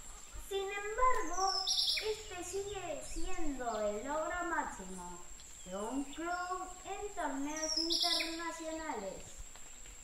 Sin embargo este sigue siendo el logro máximo de un club en torneos internacionales.